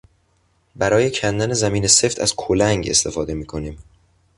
برای کندن زمین سفت از کلنگ استفاده میکنیم.